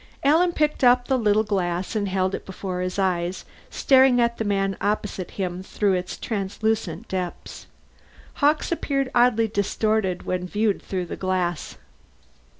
Alan picked up the little glass and held it before his eyes, staring at the man opposite him through its translucent depths. Hawkes appeared oddly distorted when viewed through the glass.